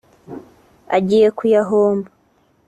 agiye kuyahomba